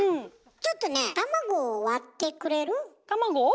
ちょっとね卵を割ってくれる？卵を？